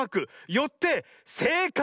よってせいかい！